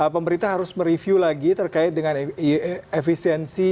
pemerintah harus mereview lagi terkait dengan efisiensi